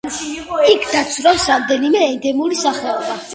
იქ დაცურავს რამდენიმე ენდემური სახეობა.